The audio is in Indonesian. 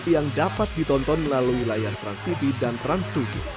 yang dapat ditonton melalui layar transtv dan trans tujuh